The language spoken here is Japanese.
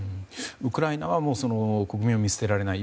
ウクライナは国民を見捨てられない。